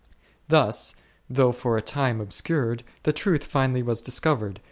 Thus, though for a time obscured, the truth finally was discovered.